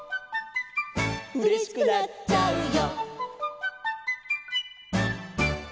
「うれしくなっちゃうよ」